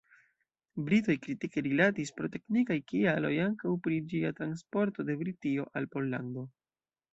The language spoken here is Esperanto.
Britoj kritike rilatis pro teknikaj kialoj ankaŭ pri ĝia transporto de Britio al Pollando.